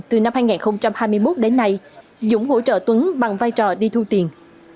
từ năm hai nghìn hai mươi một đến nay dũng hỗ trợ tuấn bằng vai trò đi thu tiền